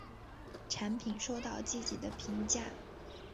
产品收到积极的评价。